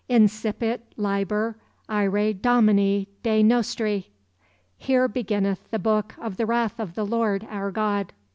"Incipit liber iræ Domini Dei nostri. (Here beginneth The Book of the Wrath of the Lord our God.)